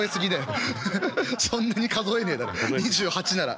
そんなに数えねえだろ２８なら。